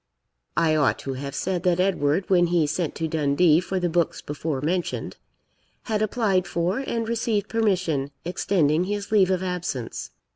I ought to have said that Edward, when he sent to Dundee for the books before mentioned, had applied for, and received permission, extending his leave of absence.